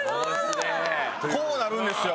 こうなるんですよ。